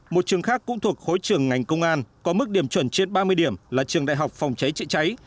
một trường khác cũng thuộc khối trường ngành công an có mức điểm chuẩn trên ba mươi điểm là trường đại học phòng cháy chữa cháy